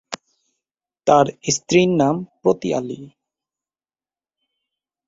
তার স্ত্রীর নাম প্রীতি আলী।